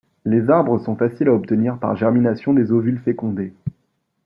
Les arbres sont faciles à obtenir par germination des ovules fécondés.